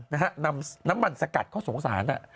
นะฮะนำน้ำมันสกัดเขาสงสาร